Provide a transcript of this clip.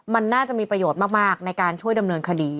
มันน่าจะมีประโยชน์มากในการช่วยดำเนินคดี